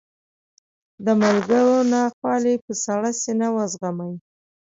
د ملګرو ناخوالې په سړه سینه وزغمي.